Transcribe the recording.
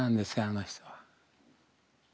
あの人は。